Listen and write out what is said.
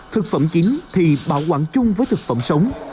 thực phẩm chính thì bảo quản chung với thực phẩm sống